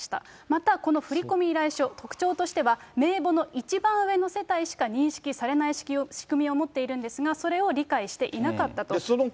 またこの振り込み依頼書、特徴としては名簿の一番上の世帯しか認識されない仕組みを持っているんですが、それを理解していなかったと。